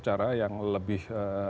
cara yang lebih